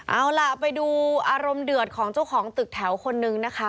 เอาล่ะไปดูอารมณ์เดือดของเจ้าของตึกแถวคนนึงนะคะ